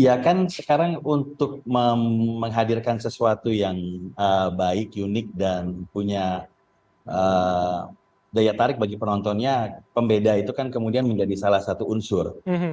ya sekarang kan untuk menghadirkan sesuatu yang baik unik dan punya daya tarik bagi penontonnya pembedaan kemudian menjadi salah satu unsur